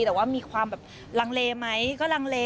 แต่ว่ามีความแบบลังเลไหมก็ลังเล